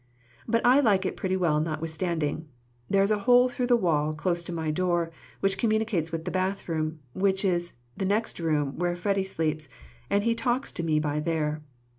But I like it pretty well notwithstanding. There is a hole through the wall close to my door, which communicates with the bath room, which is next the room where Freddy sleeps, and he talks to me by there.